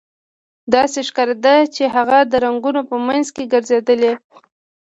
داسې ښکاریده چې هغه د رنګونو په مینځ کې ګرځیدلې